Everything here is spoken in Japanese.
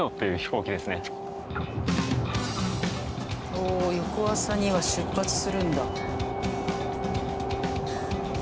おお翌朝には出発するんだ。